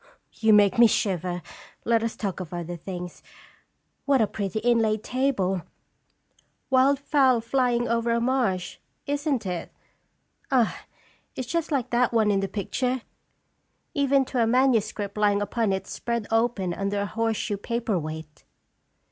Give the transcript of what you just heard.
'" "You make me shiver. Let us talk of other things. What a pretty inlaid table wild fowl flying over a marsh isn't it? Ah! it is just like that one in the picture, 78 & Stras even to a manuscript lying upon it spread open under a horseshoe paper weight."